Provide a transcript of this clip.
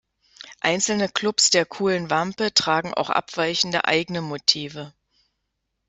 Einzelne Clubs der Kuhlen Wampe tragen auch abweichende eigene Motive.